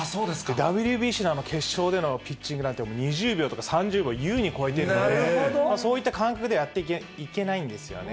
ＷＢＣの決勝のピッチングなんて、２０秒とか３０秒をゆうに超えているので、そういった間隔でやってはいけないんですよね。